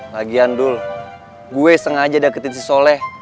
lagian dul gue sengaja deketin si soleh